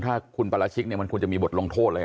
ถ้าคุณปราชิกเนี่ยมันควรจะมีบทลงโทษเลย